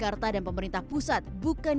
jangan lupa girikan laun